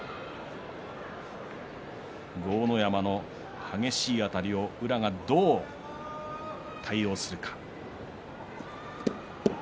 豪ノ山の激しいあたりを宇良がどう対応するか。